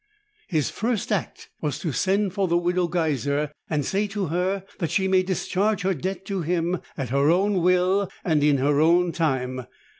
His first act was to send for the Widow Geiser and say to her that she may discharge her debt to him at her own will and in her own time.